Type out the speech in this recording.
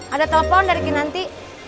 ada telepon dari kinanti